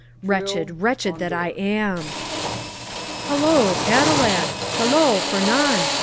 Wretched—wretched that I am!" "Hallo, Catalan! Hallo, Fernand!